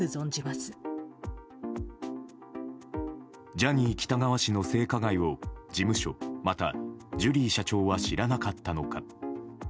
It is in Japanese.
ジャニー喜多川氏の性加害を事務所、またジュリー社長は知らなかったのか。